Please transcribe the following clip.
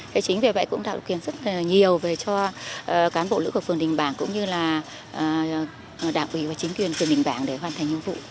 thế chính vì vậy cũng tạo điều kiện rất là nhiều về cho cán bộ nữ của phường đình bảng cũng như là đảng ủy và chính quyền phường đình bảng để hoàn thành nhiệm vụ